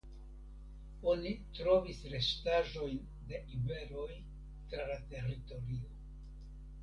Oni trovis restaĵojn de iberoj tra la teritorio.